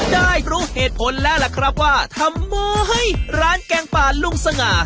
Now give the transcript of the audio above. ได้รู้เหตุผลแล้วล่ะครับว่าทำไมร้านแกงป่าลุงสง่า